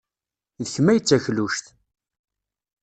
D kemm ay d takluct.